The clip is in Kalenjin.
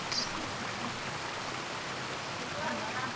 agoi iboryengei asiinyoru mokornatet.